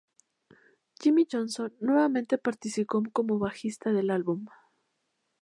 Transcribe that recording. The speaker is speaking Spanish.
Jimmy Johnson nuevamente participó como bajista del álbum.